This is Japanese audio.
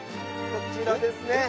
こちらですね。